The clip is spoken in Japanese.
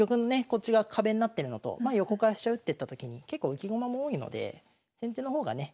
こっち側壁になってるのと横から飛車打ってった時に結構浮き駒も多いので先手の方がね